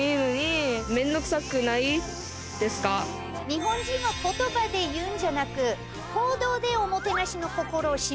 日本人は言葉で言うんじゃなく行動でおもてなしの心を示す。